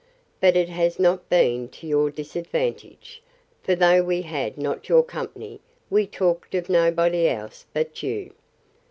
But it has not been to your disadvantage; for though we had not your company, we have talked of nobody else but you.